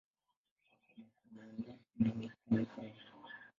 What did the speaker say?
Makao makuu ya eneo hilo ni Koun-Fao.